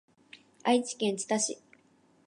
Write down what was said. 愛知県知多市